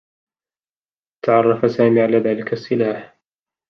تعرّف سامي على ذلك السّلاح.